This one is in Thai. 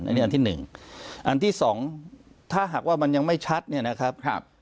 อันนี้อันที่หนึ่งอันที่สองถ้าหากว่ามันยังไม่ชัดเนี่ยนะครับ